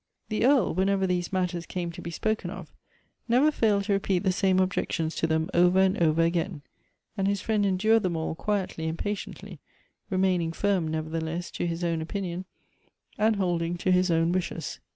'' The Earl, whenever these matters came to be spoken of, never failed to repeat the same objections to them over and over again ; and his friend endured them all quietly and patiently, remaining firm, nevertheless, to his own opinion, and holding to his own wishes.